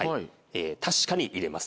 確かに入れます。